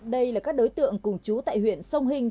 đây là các đối tượng cùng chú tại huyện sông hình